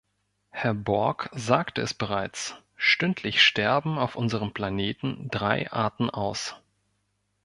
Herr Borg sagte es bereits, stündlich sterben auf unserem Planeten drei Arten aus.